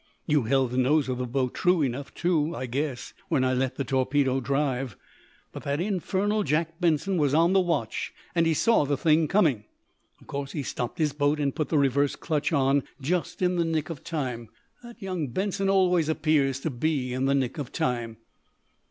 "You held the nose of the boat true enough, too, I guess, when I let the torpedo drive. But that infernal Jack Benson was on the watch, and he saw the thing coming. Of course he stopped his boat and put the reverse clutch on just in the nick of time. That young Benson always appears to be in the nick of time!"